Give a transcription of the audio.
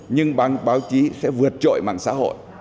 nhưng bằng báo chí sẽ vượt trội mạng xã hội